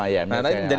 yang lama ya